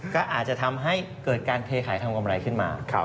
ก็อาจจะทำให้เกิดการเทขายทำกำไรขึ้นมา